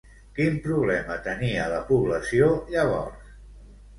Quin problema tenia la població, llavors?